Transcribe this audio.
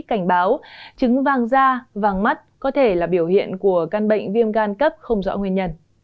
cảnh báo chứng vang da vang mắt có thể là biểu hiện của căn bệnh viêm gan cấp không rõ nguyên nhân